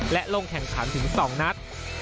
และลงแข่งขันถึง๒นัด